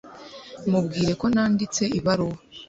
Mubwire ko nanditse ibaruwa.